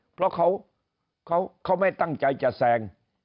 เพราะเขาไม่ตั้งใจจะแซง